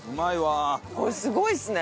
これすごいですね！